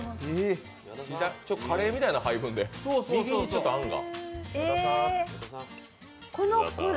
カレーみたいな配分で、右にあんが。